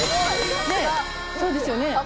そうですよね。